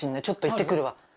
ちょっと行ってくるわ。